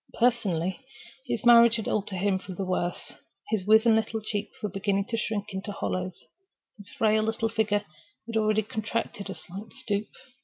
Personally, his marriage had altered him for the worse. His wizen little cheeks were beginning to shrink into hollows, his frail little figure had already contracted a slight stoop.